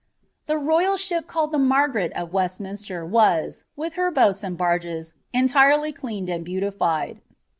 The royal ship called the Xat^garct of U'ealniinsler, woe, with her boats and ba^s, entirely cleaned nd bautiGed.